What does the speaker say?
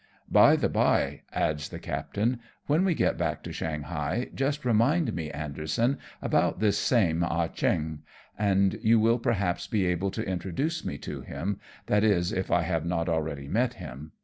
By the bye," adds the captain, " when we get back to Shanghai, just remind me, Anderson, about this same Ah Cheong, and you will perhaps be able to introduce me to him, that is if I have not already met him.